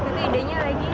oke jadi gue juga langsung